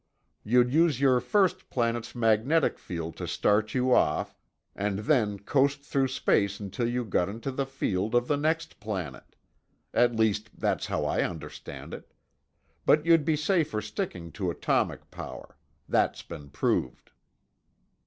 You'd use your first planet's magnetic field to start you off and then coast through space until you got into the field of the next planet. At least, that's how I understand it. But you'd be safer sticking to atomic power. That's been proved."